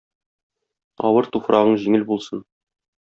Авыр туфрагың җиңел булсын!